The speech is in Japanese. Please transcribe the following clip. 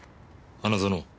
花園。